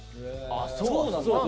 あそうなんだ。